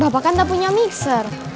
bapak kan tidak punya mixer